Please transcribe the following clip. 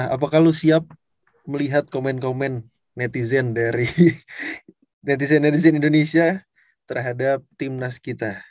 apakah lu siap melihat komen komen netizen dari netizen netizen indonesia terhadap timnas kita